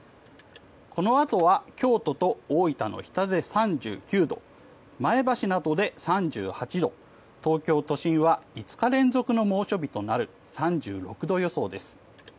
このあとは京都と大分の日田で３９度前橋などで３８度、東京都心は５日連続の猛暑日となる３６度予想です。